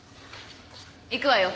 行くわよ。